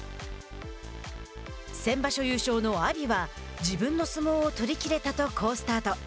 先場所優勝の阿炎は、自分の相撲を取り切れたと好スタート。